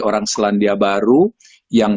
orang selandia baru yang